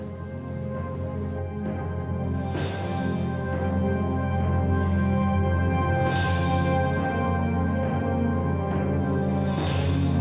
kita mendapat keterangan seberapa sahaja yang tersebut